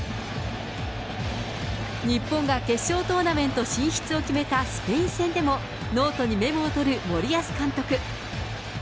日本が決勝トーナメント進出を決めたスペイン戦でも、ノートにメモを取る森保監督。